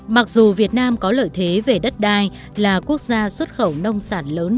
mặc dù việt nam có lợi thế về đất đai là quốc gia xuất khẩu nông sản lớn